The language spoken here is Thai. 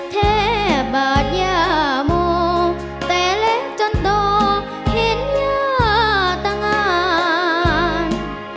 แทบบาดยาโมแต่เล็กจนต่อเห็นยาตงาน